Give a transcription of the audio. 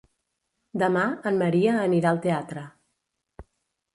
Demà en Maria anirà al teatre.